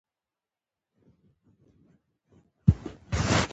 دا ریکونه ښه تنظیم شوي دي.